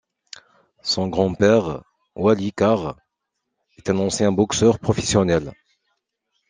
Son grand-père, Wally Carr, est un ancien boxeur professionnel.